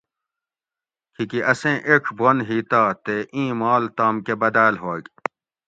کھیکی اسیں ایڄ بند ہی تہ تے ایں مال تام کہ بدال ہوگ